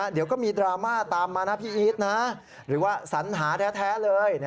เดี๋ยวก็มีดราม่าตามมานะพี่อีทนะหรือว่าสัญหาแท้เลย